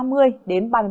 một số nơi còn cao hơn